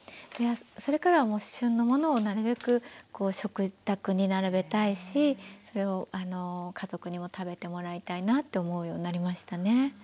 それからは旬のものをなるべく食卓に並べたいしそれを家族にも食べてもらいたいなって思うようになりましたね。